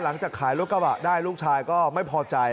หลังจากขายรถกระบะได้ลูกชายก็ไม่พอใจ